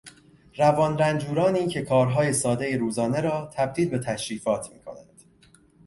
روانرنجورانی که کارهای سادهی روزانه را تبدیل به تشریفات میکنند